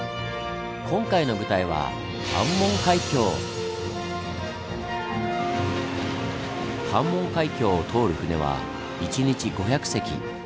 今回の舞台は関門海峡を通る船は１日５００隻。